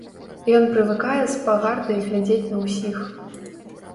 Ён прывыкае з пагардай глядзець на ўсіх.